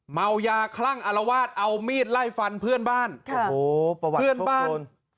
เมายาคลั่งอารวาสเอามีดไล่ฟันเพื่อนบ้านโอ้โหประวัติเพื่อนบ้าน